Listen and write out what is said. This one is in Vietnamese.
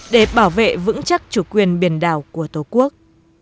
để bảo vệ vững chắc chủ quyền biển đảo của tổ quốc